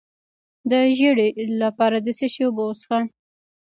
د ژیړي لپاره د څه شي اوبه وڅښم؟